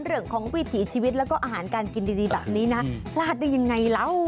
เรื่องของวิถีชีวิตแล้วก็อาหารการกินดีแบบนี้นะพลาดได้ยังไงเรา